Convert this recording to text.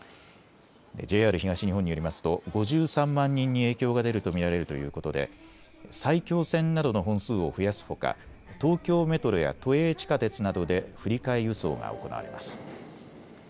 ＪＲ東日本によりますと５３万人に影響が出ると見られるということで埼京線などの本数を増やすほか東京メトロや都営地下鉄などで振り替え輸送が行われます。